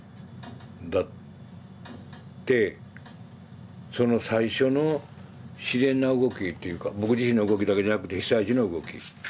だってその最初の自然な動きっていうか僕自身の動きだけじゃなくて被災地の動き